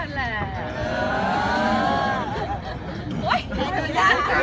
แม่กับผู้วิทยาลัย